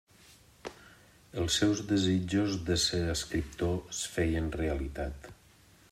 Els seus desitjos de ser escriptor es feien realitat.